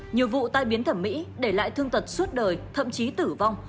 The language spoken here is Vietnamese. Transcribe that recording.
nhiều vụ tai biến thẩm mỹ để lại thương tật suốt đời thậm chí tử vong